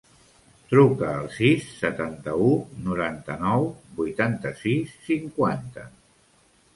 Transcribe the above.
Truca al sis, setanta-u, noranta-nou, vuitanta-sis, cinquanta.